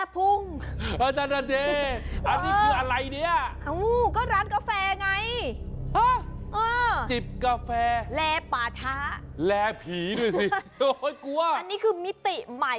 โปรดติดตามตอนต่อไป